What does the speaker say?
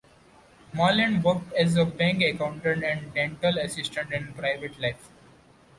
Marland worked as a bank accountant and dental assistant in private life.